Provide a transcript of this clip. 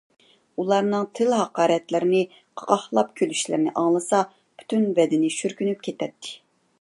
ئۇلارنىڭ تىل-ھاقارەتلىرىنى، قاقاھلاپ كۈلۈشلىرىنى ئاڭلىسا پۈتۈن بەدىنى شۈركۈنۈپ كېتەتتى.